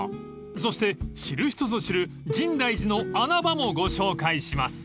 ［そして知る人ぞ知る深大寺の穴場もご紹介します］